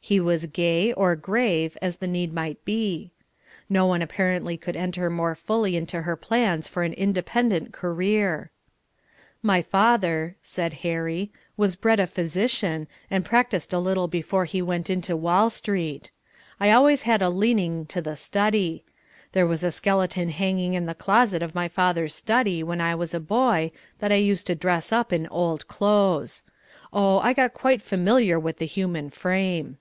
He was gay or grave as the need might be. No one apparently could enter more fully into her plans for an independent career. "My father," said Harry, "was bred a physician, and practiced a little before he went into Wall street. I always had a leaning to the study. There was a skeleton hanging in the closet of my father's study when I was a boy, that I used to dress up in old clothes. Oh, I got quite familiar with the human frame."